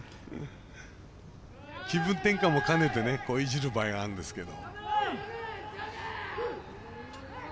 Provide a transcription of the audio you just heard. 気分転換も兼ねていじる場合があるんですけど。